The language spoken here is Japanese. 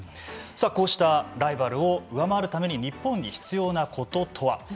さあ、こうしたライバルを上回るために日本に必要なこととは。